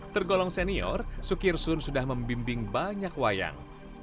tergolong senior sukir sun sudah membimbing banyak wayang